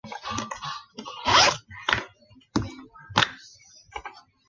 在从政之前他曾是一位商人和赛车运动员。